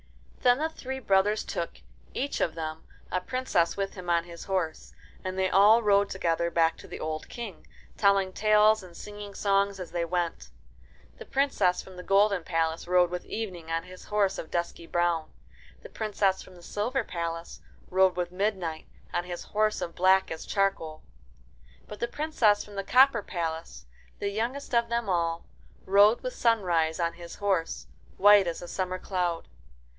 Then the three brothers took, each of them, a princess with him on his horse, and they all rode together back to the old King, telling talcs and singing songs as they went. The Princess from the golden palace rode with Evening on his horse of dusky brown; the Princess from the silver palace rode with Midnight on his horse as black as charcoal; but the Princess from the copper palace, the youngest of them all, rode with Sunrise on his horse, white as a summer cloud.